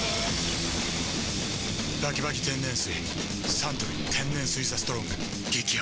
サントリー天然水「ＴＨＥＳＴＲＯＮＧ」激泡